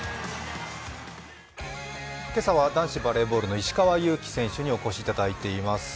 今朝は男子バレーボールの石川祐希選手にお越しいただいています。